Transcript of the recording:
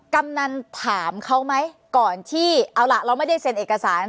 กำนันถามเขาไหมก่อนที่เอาล่ะเราไม่ได้เซ็นเอกสาร